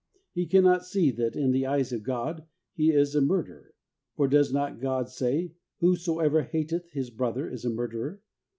He cannot see that in the eyes of God he is a murderer, for does not God say, ' Whosoever hateth his brother is a murderer'?